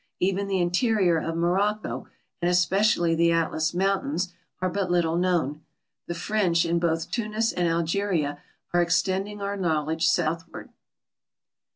Even the interior of Morocco, and especially the Atlas mountains, are but little known. The French, in both Tunis and Algeria, are extending our knowl edge southward.